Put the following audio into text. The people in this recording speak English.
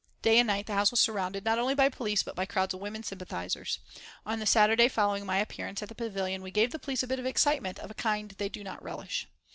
Day and night the house was surrounded, not only by police, but by crowds of women sympathisers. On the Saturday following my appearance at the Pavillion we gave the police a bit of excitement of a kind they do not relish.